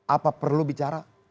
apa perlu bicara